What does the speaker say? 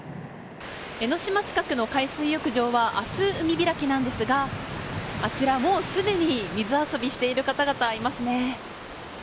江の島近くの海水浴場は明日、海開きなんですがあちら、もうすでに水遊びしている方々がいますね。